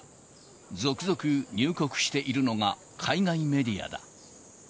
続々、入国しているのが海外メディアだ。